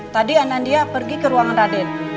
tadi anandia pergi ke ruangan raden